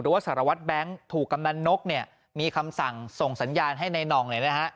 ว่าสารวัตรแบงค์ถูกกำนันนกเนี่ยมีคำสั่งส่งสัญญาณให้นายน่องเลยนะฮะ